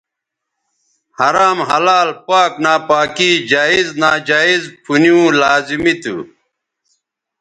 حرام حلال پاک ناپاکی جائز ناجائزپُھنیوں لازمی تھو